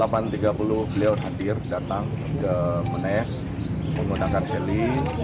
jam tiga puluh beliau hadir datang ke menes menggunakan heli